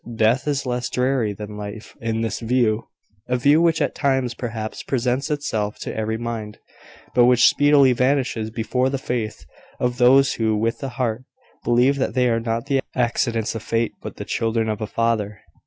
Death is less dreary than life in this view a view which at times, perhaps, presents itself to every mind, but which speedily vanishes before the faith of those who, with the heart, believe that they are not the accidents of Fate, but the children of a Father.